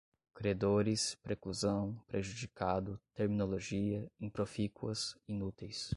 credores, preclusão, prejudicado, terminologia, improfícuas, inúteis